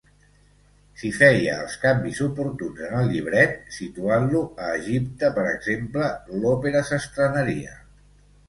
Si feia els canvis oportuns en el llibret, situant-lo a Egipte per exemple, l'òpera s'estrenaria.